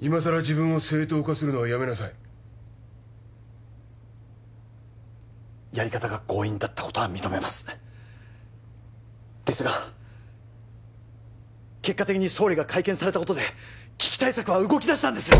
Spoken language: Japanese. いまさら自分を正当化するのはやめなさいやり方が強引だったことは認めますですが結果的に総理が会見されたことで危機対策は動きだしたんです